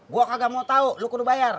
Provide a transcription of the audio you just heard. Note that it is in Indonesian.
gue kagak mau tau lu kudu bayar